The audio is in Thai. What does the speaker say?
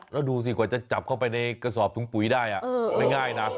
เราดูสิกว่าจะจับเข้าไปในกษอบถุงปุ๋ยได้เป็นง่ายนะ